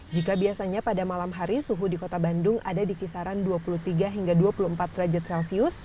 jika biasanya pada malam hari suhu di kota bandung ada di kisaran dua puluh tiga hingga dua puluh empat derajat celcius